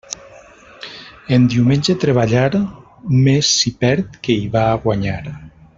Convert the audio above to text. En diumenge treballar, més s'hi perd que hi va a guanyar.